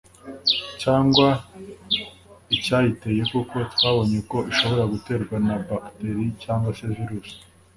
cyangwa icyayiteye kuko twabonye ko ishobora guterwa na bacteri cyangwa se virus.